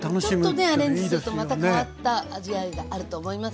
ちょっとねアレンジするとまた変わった味わいがあると思います。